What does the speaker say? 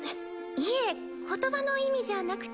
いえ言葉の意味じゃなくて。